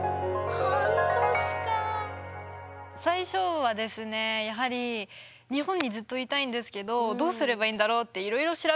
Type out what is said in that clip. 最初はですねやはり日本にずっといたいんですけどどうすればいいんだろうっていろいろ調べたんですね。